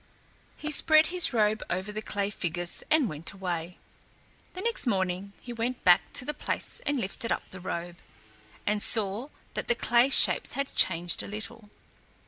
He spread his robe over the clay figures and went away. The next morning he went back to the place and lifted up the robe, and saw that the clay shapes had changed a little.